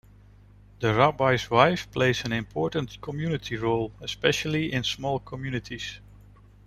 The rabbi's wife plays an important community role, especially in small communities.